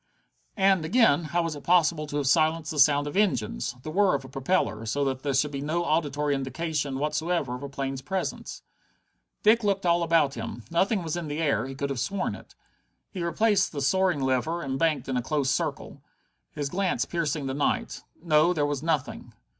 And, again, how was it possible to have silenced the sound of engines, the whir of a propeller, so that there should be no auditory indication whatever of a plane's presence? Dick looked all about him. Nothing was in the air he could have sworn it. He replaced the soaring lever and banked in a close circle, his glance piercing the night. No, there was nothing.